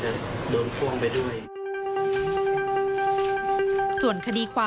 จึงเผยแพร่คลิปนี้ออกมา